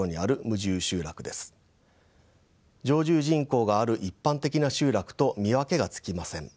常住人口がある一般的な集落と見分けがつきません。